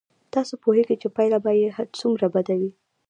تاسو پوهېږئ چې پایله به یې څومره بد وي.